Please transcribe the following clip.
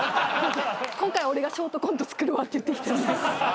今回俺がショートコント作るわって言ってきて。